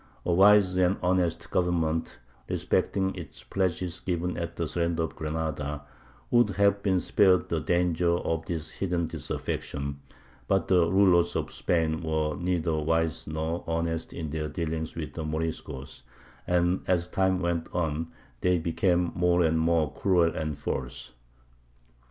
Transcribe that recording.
A wise and honest government, respecting its pledges given at the surrender of Granada, would have been spared the dangers of this hidden disaffection; but the rulers of Spain were neither wise nor honest in their dealings with the Moriscos, and as time went on they became more and more cruel and false.